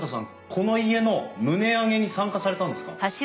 この家の棟上げに参加されたんですか？